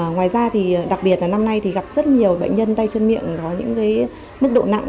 ngoài ra đặc biệt năm nay gặp rất nhiều bệnh nhân tay chân miệng có những mức độ nặng